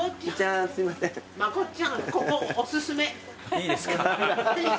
いいですか？